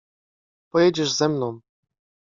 Pojedziesz ze mną!